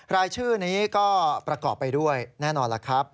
รายชื่อนี้ก็ประกอบไปด้วยแน่นอนล่ะครับ